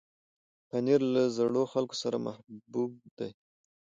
پنېر له زړو خلکو سره محبوب دی.